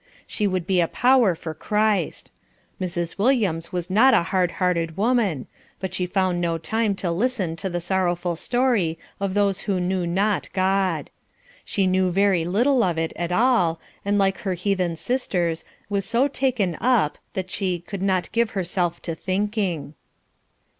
She would be a power for Christ. Mrs. Williams was not a hard hearted woman, but she found no time to listen to the sorrowful story of those who know not God. She knew very little of it at all, and like her heathen sisters, was so "taken up" that she "could not give herself to thinking."